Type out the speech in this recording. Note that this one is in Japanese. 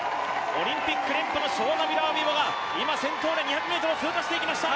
オリンピック連覇のショウナ・ミラー・ウイボが今、先頭で２００ｍを通過していきました。